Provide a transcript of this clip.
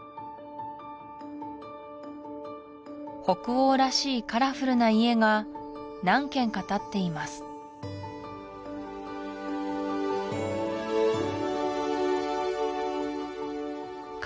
北欧らしいカラフルな家が何軒か立っていますか